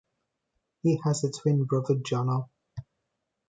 He has a twin brother, Jono.